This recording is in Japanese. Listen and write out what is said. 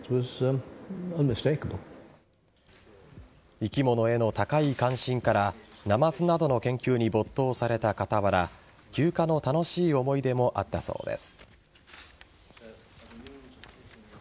生き物への高い関心からナマズなどの研究に没頭された傍ら休暇の楽しい思い出もあったそうです。